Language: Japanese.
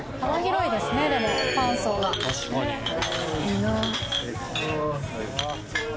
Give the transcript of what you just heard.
いいな。